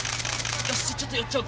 よしちょっと寄っちゃおう。